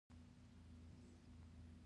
د دې تضمین اغېزه دا وه چې شېرعلي.